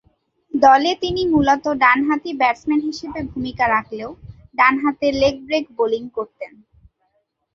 দলে তিনি মূলতঃ ডানহাতি ব্যাটসম্যান হিসেবে ভূমিকা রাখলেও ডানহাতে লেগ ব্রেক বোলিং করতেন।